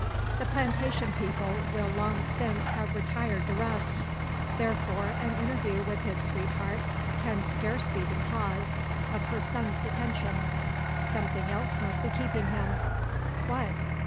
The plantation people will long since have retired to rest; therefore an interview with his sweetheart can scarce be the cause of her son's detention. Something else must be keeping him. What?